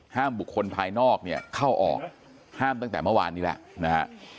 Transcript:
บุคคลภายนอกเนี่ยเข้าออกห้ามตั้งแต่เมื่อวานนี้แล้วนะฮะ